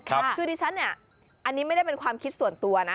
คือดิฉันเนี่ยอันนี้ไม่ได้เป็นความคิดส่วนตัวนะ